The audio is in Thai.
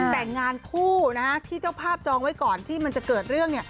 แต่งงานคู่ที่เจ้าภาพจองไว้ก่อนที่มันจะเกิดเรื่อง